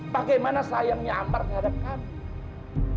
bagaimana sayangnya amar terhadap kami